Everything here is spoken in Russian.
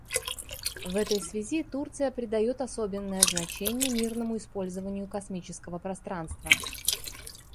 В этой связи Турция придает особенное значение мирному использованию космического пространства.